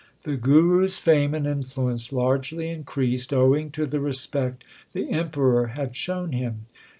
The Guru s fame and influence largely increased owing to the respect the Emperor had shown him.